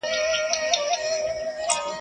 ټمبه ته يو گوز هم غنيمت دئ.